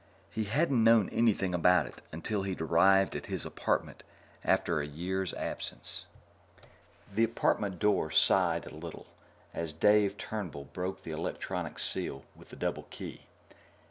He hadn't known anything about it until he'd arrived at his apartment after a year's absence. The apartment door sighed a little as Dave Turnbull broke the electronic seal with the double key.